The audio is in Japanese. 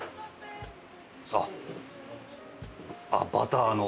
あっバターの。